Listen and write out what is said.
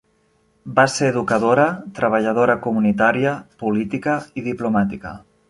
Va ser educadora, treballadora comunitària, política i diplomàtica.